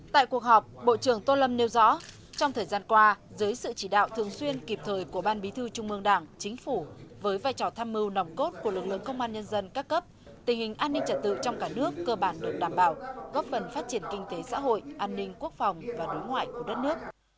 tại cuộc họp bộ trưởng tô lâm nêu rõ trong thời gian qua dưới sự chỉ đạo thường xuyên kịp thời của ban bí thư trung mương đảng chính phủ với vai trò tham mưu nòng cốt của lực lượng công an nhân dân các cấp tình hình an ninh trật tự trong cả nước cơ bản được đảm bảo góp phần phát triển kinh tế xã hội an ninh quốc phòng và đối ngoại của đất nước